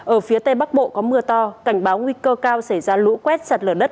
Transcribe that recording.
ở phía tây bắc bộ có mưa to cảnh báo nguy cơ cao xảy ra lũ quét sạt lở đất